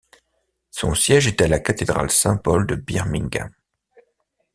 Son siège est à la cathédrale Saint-Paul de Birmingham.